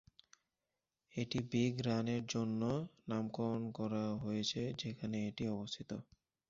এটি Big Run এর জন্য নামকরণ করা হয়েছে যেখানে এটি অবস্থিত।